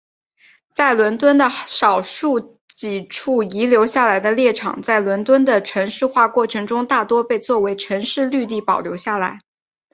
在伦敦的少数几处遗留下来的猎场在伦敦的城市化过程中大多被作为城市绿地保留下来。